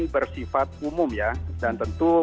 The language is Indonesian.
bersifat umum ya dan tentu